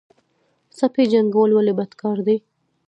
سپي جنګول ولې بد کار دی؟